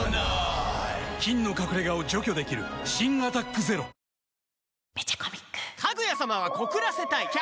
菌の隠れ家を除去できる新「アタックＺＥＲＯ」女性）